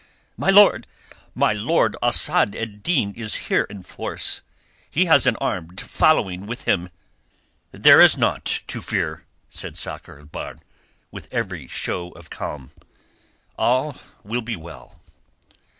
"My lord, my lord! Asad ed Din is here in force. He has an armed following with him!" "There is naught to fear," said Sakr el Bahr, with every show of calm. "All will be well."